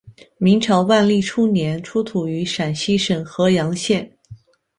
明朝万历初年出土于陕西省郃阳县。